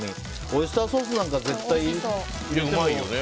オイスターソースなんか絶対ね。